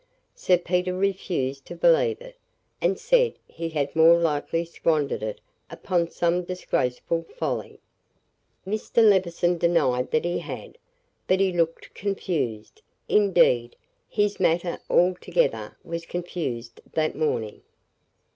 Sir Peter refused to believe it, and said he had more likely squandered it upon some disgraceful folly. Mr. Levison denied that he had; but he looked confused, indeed, his manner altogether was confused that morning."